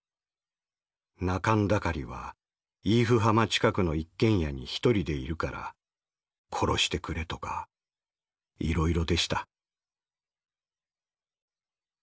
仲村渠はイーフ浜近くの一軒家に一人でいるから殺してくれとかいろいろでした」。